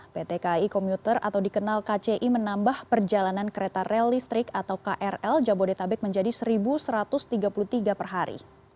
pt kai komuter atau dikenal kci menambah perjalanan kereta rel listrik atau krl jabodetabek menjadi satu satu ratus tiga puluh tiga per hari